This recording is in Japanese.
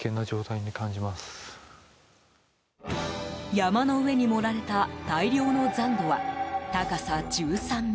山の上に盛られた大量の残土は高さ１３ｍ。